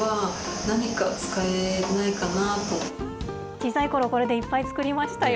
小さいころ、これでいっぱい作りましたよ。